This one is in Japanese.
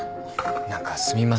何かすみません。